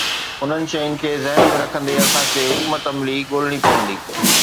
انهن شين کي ذهن ۾ رکندي، اسان کي حڪمت عملي ڳولڻي پوندي.